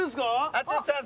淳さん